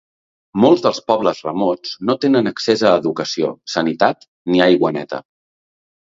Molts dels pobles remots no tenen accés a educació, sanitat ni aigua neta.